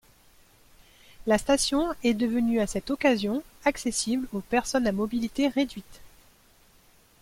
La station est devenue à cette occasion accessible aux personnes à mobilité réduite.